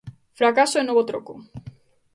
Fracaso e novo troco.